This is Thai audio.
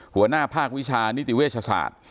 หัวหน้าภาควิชานิติเวชศาสตร์